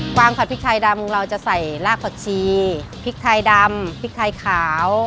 วางผัดพริกไทยดำของเราจะใส่ลากผักชีพริกไทยดำพริกไทยขาว